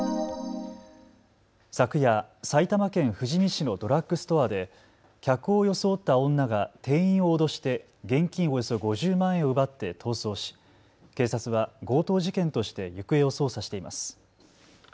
昨夜、埼玉県富士見市のドラッグストアで客を装った女が店員を脅して現金およそ５０万円を奪って逃走し警察は強盗事件として行方を捜査しています。